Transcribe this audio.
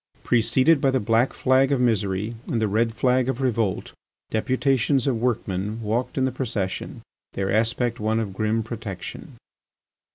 Preceded by the black flag of misery and the red flag of revolt, deputations of workmen walked in the procession, their aspect one of grim protection.